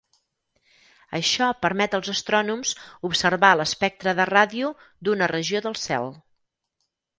Això permet als astrònoms observar l'espectre de ràdio d'una regió del cel.